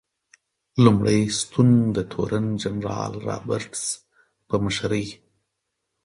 لومړی ستون د تورن جنرال رابرټس په مشرۍ.